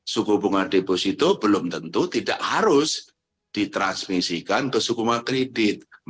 suku bunga deposito belum tentu tidak harus ditransmisikan ke suku bunga kredit